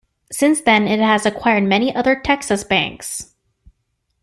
Since then it has acquired many other Texas banks.